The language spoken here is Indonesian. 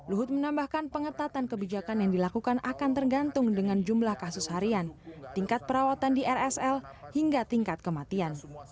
luhut menambahkan pengetatan kebijakan yang dilakukan akan tergantung dengan jumlah kasus harian tingkat perawatan di rsl hingga tingkat kematian